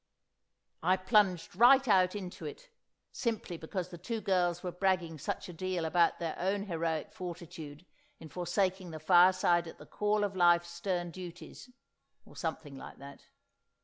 I plunged right out into it—simply because the two girls were bragging such a deal about their own heroic fortitude in forsaking the fireside at the call of life's stern duties, or something like that.